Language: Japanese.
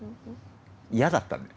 嫌だったんだよ。